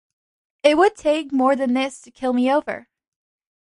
It would take more than this to keel me over.